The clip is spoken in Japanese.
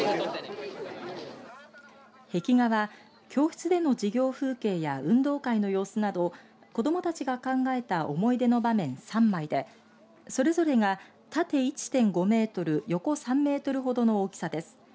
壁画は教室での授業風景や運動会の様子など子どもたちが考えた思い出の場面３枚でそれぞれが縦１．５メートル横３メートルほどの大きさです。